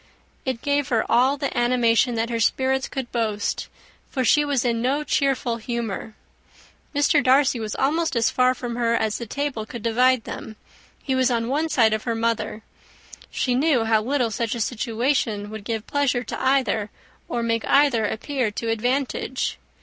It gave her all the animation that her spirits could boast; for she was in no cheerful humour. Mr. Darcy was almost as far from her as the table could divide them. He was on one side of her mother. She knew how little such a situation would give pleasure to either, or make either appear to advantage.